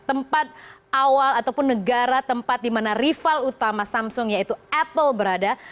tempat awal ataupun negara tempat di mana rival utama samsung yaitu apple berada